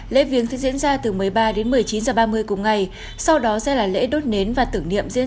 lễ viếng sẽ diễn ra từ một mươi ba đến một mươi chín h ba mươi cùng ngày sau đó sẽ là lễ đốt nến và tưởng niệm diễn